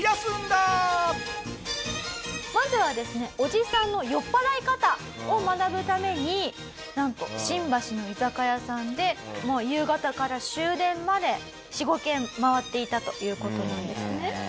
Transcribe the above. まずはですねおじさんの酔っ払い方を学ぶためになんと新橋の居酒屋さんでもう夕方から終電まで４５軒回っていたという事なんですね。